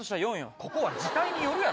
ここは時間によるやろ。